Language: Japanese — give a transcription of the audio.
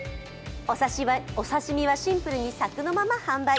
お刺身はシンプルにさくのまま販売。